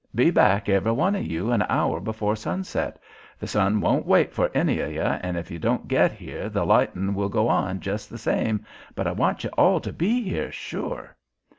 Be back every one of you an hour before sunset. The sun won't wait for any o' ye and if you don't get here the lightin' will go on jes' the same, but I wants you all to be here, sure."